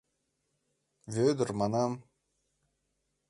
Вӧдыр, манам!